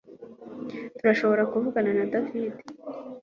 Turashobora kuvugana na David